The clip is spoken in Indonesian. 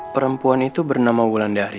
perempuan itu bernama wulandari